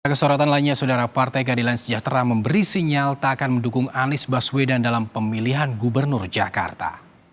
kesorotan lainnya saudara partai keadilan sejahtera memberi sinyal tak akan mendukung anies baswedan dalam pemilihan gubernur jakarta